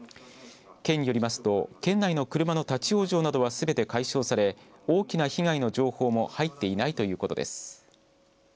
県によりますと県内の車の立往生などは、すべて解消され大きな被害の情報も入っていないということです。